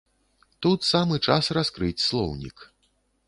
Тут самы час раскрыць слоўнік.